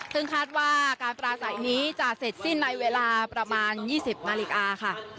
ซึ่งคาดว่าการปราศัยนี้จะเสร็จสิ้นในเวลาประมาณ๒๐นาฬิกาค่ะ